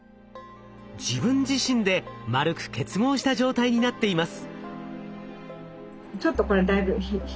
自分自身で丸く結合した状態になっています。